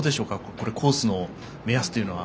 このコースの目安というのは。